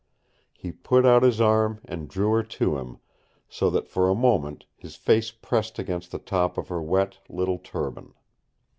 He put out his arm and drew her to him, so that for a moment his face pressed against the top of her wet little turban.